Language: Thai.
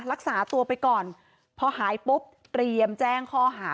รักษาตัวไปก่อนพอหายปุ๊บเตรียมแจ้งข้อหา